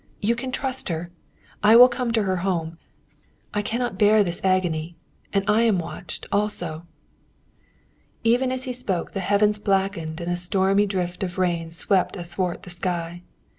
You can trust her. I will come to her home. I cannot bear this agony, and I am watched, also!" Even as he spoke, the heavens blackened and a stormy drift of rain swept athwart the sky.